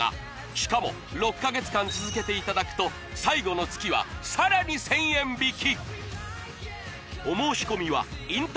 しかも６か月間続けていただくと最後の月はさらに１０００円引き！